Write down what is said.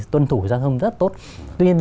tuân thủ giao thông rất tốt tuy nhiên